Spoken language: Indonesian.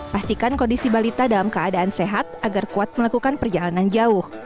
pastikan kondisi balita dalam keadaan sehat agar kuat melakukan perjalanan jauh